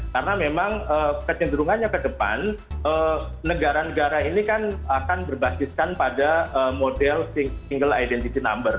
karena memang kecenderungannya ke depan negara negara ini kan akan berbasiskan pada model single identity number